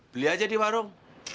beli aja di warung